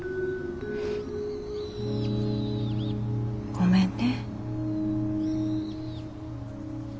ごめんね。